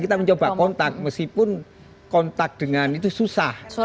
kita mencoba kontak meskipun kontak dengan itu susah